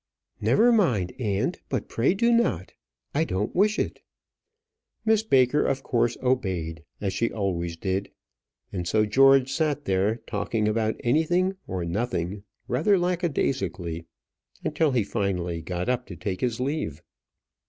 "Never mind, aunt; but pray do not. I don't wish it." Miss Baker of course obeyed, as she always did. And so George sat there, talking about anything or nothing, rather lack a daisically, till he got up to take his leave.